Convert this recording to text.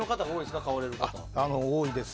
多いです。